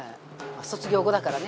あ卒業後だからね。